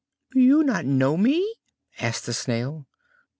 "Do you not know me?" asked the Snail.